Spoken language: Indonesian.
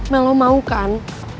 mel lo mau kan